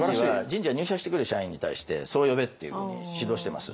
人事は入社してくる社員に対してそう呼べっていうふうに指導してます。